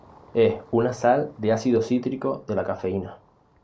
Es una sal de ácido cítrico de la cafeína.